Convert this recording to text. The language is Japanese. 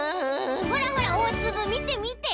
ほらほらおおつぶみてみて！